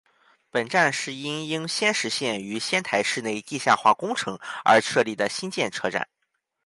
本站是因应仙石线于仙台市内地下化工程而设立的新建车站。